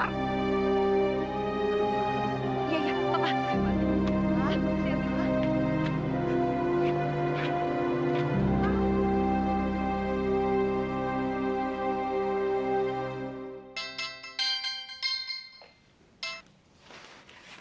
ah siap siap ah